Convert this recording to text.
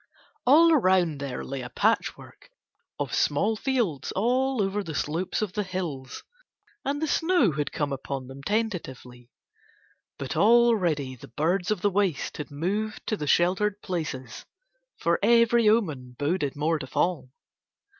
All round there lay a patchwork of small fields all over the slopes of the hills, and the snow had come upon them tentatively, but already the birds of the waste had moved to the sheltered places for every omen boded more to fall.